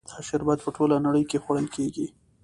دا شربت په ټوله نړۍ کې خوړل کیږي.